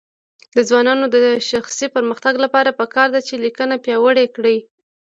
د ځوانانو د شخصي پرمختګ لپاره پکار ده چې لیکنه پیاوړې کړي.